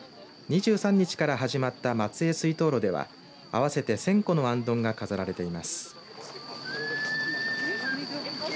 ２３日から始まった松江水燈路では合わせて１０００個のあんどんが飾られています。